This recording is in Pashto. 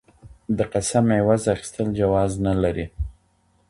د قسم عوض اخيستل جواز نلري.